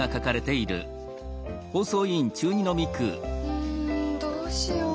うんどうしよう。